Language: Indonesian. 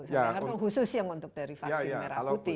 karena itu khusus yang untuk dari vaksin merah putih